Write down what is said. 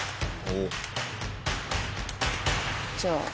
じゃあ。